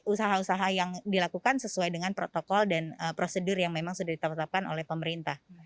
jadi usaha usaha yang dilakukan sesuai dengan protokol dan prosedur yang memang sudah ditetapkan oleh pemerintah